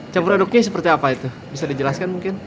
cepuraduknya seperti apa itu bisa dijelaskan mungkin